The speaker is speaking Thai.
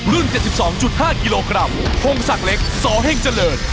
๗๒๕กิโลกรัมพงศักดิ์เล็กสเฮ่งเจริญ